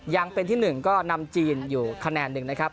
ยังเป็นที่๑ก็นำจีนอยู่คะแนนหนึ่งนะครับ